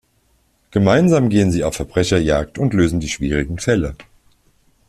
Gemeinsam gehen sie auf Verbrecherjagd und lösen die schwierigen Fälle.